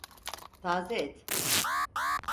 Taze et.